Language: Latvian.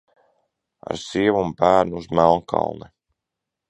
Ar sievu un bērnu uz Melnkalni!